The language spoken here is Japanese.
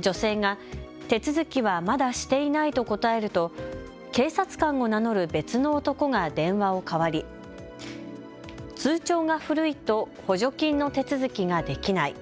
女性が手続きはまだしていないと答えると警察官を名乗る別の男が電話を代わり、通帳が古いと補助金の手続きができない。